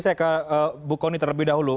saya ke bu kony terlebih dahulu